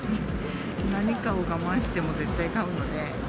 何かを我慢しても絶対買うので。